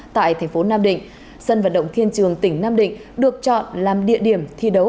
tại thành phố nam định sân vận động thiên trường tỉnh nam định được chọn làm địa điểm thi đấu